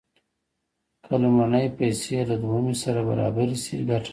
که لومړنۍ پیسې له دویمې سره برابرې شي ګټه نشته